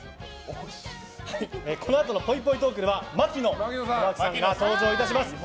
このあとのぽいぽいトークでは槙野智章さんが登場いたします。